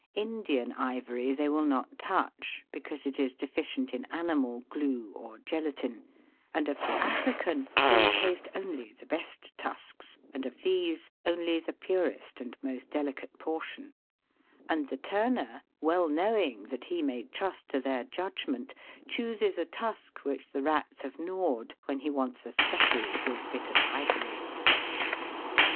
Indian ivory they will not touch because it is deficient in animal glue, or gelatine, and of the African they taste only the best tusks, and of these only the purest and most delicate portion ; and the turner, well knowing that he may RATS EMPLOYED IN PARIS. 245 trust to their judgment, chooses a tusk which the rats have gnawed when he wants a specially good bit of ivory.